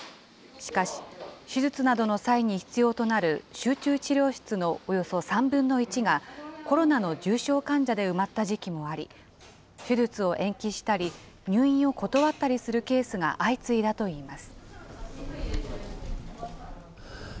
しかし、手術などの際に必要となる集中治療室のおよそ３分の１が、コロナの重症患者で埋まった時期もあり、手術を延期したり、入院を断ったりするケースが相次いだといいます。